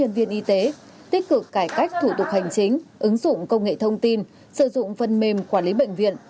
nhân viên y tế tích cực cải cách thủ tục hành chính ứng dụng công nghệ thông tin sử dụng phần mềm quản lý bệnh viện